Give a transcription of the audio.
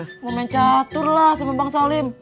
udah mencatur lah sama bang salim